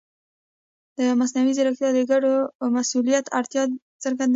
مصنوعي ځیرکتیا د ګډ مسؤلیت اړتیا څرګندوي.